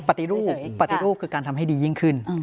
ปฏิรูปคือการทำให้ดียิ่งขึ้น